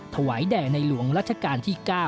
ถวายแด่ในหลวงรัชกาลที่๙